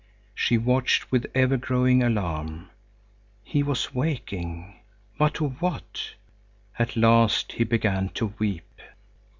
She watched with ever growing alarm. He was waking, but to what? At last he began to weep.